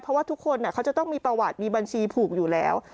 เพราะว่าทุกคนเขาจะต้องมีประวัติมีบัญชีผูกอยู่แล้ว